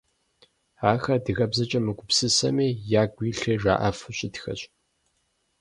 Ахэр адыгэбзэкӏэ мыгупсысэми, ягу илъыр жаӏэфу щытхэщ.